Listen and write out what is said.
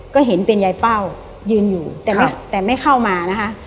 ก็เห็นเป็นยายเป้ายืนอยู่แต่ไม่เข้ามานะคะ